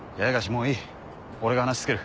もういい俺が話つける。